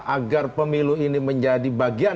agar pemilu ini menjadi bagian